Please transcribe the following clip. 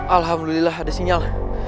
alhamdulillah ada sinyal